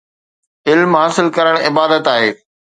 علم حاصل ڪرڻ عبادت آهي